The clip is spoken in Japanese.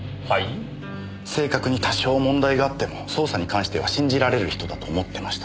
性格に多少問題があっても捜査に関しては信じられる人だと思ってました。